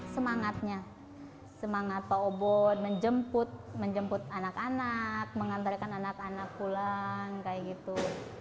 semangatnya semangat pak obot menjemput menjemput anak anak mengantarkan anak anak pulang kayak gitu